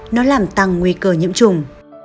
nó làm tăng nguy cơ nhiễm trùng